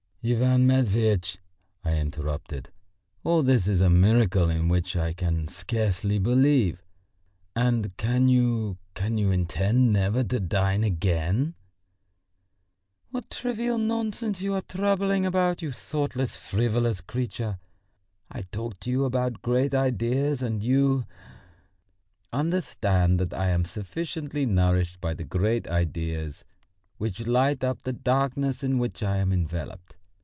"Ivan Matveitch," I interrupted, "all this is a miracle in which I can scarcely believe. And can you, can you intend never to dine again?" "What trivial nonsense you are troubling about, you thoughtless, frivolous creature! I talk to you about great ideas, and you.... Understand that I am sufficiently nourished by the great ideas which light up the darkness in which I am enveloped.